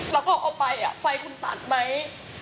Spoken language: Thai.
แล้วก็เอาไปไฟคุณตัดไหม